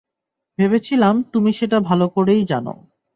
ভেবেছিলাম তুমি সেটা ভালো করেই জানো।